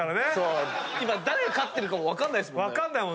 今誰が勝ってるかも分かんないですもんね。